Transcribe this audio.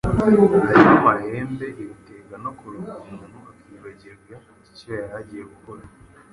harimo amahembe, ibitega no kuroga umuntu akibagirwa icyo yaragiye gukora ,